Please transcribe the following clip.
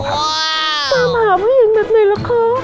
มาหาผู้หญิงแบบไหนล่ะคะ